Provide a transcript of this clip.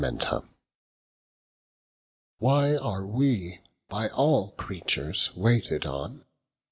XII Why are wee by all creatures waited on?